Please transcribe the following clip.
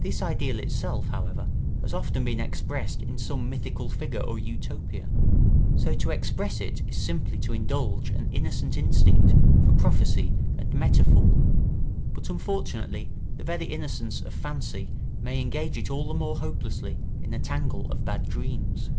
This ideal itself, however, has often been expressed in some mythical figure or Utopia. So to express it is simply to indulge an innocent instinct for prophecy and metaphor; but unfortunately the very innocence of fancy may engage it all the more hopelessly in a tangle of bad dreams.